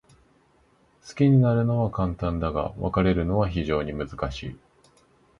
好きになるのは簡単だが、別れるのは非常に難しい。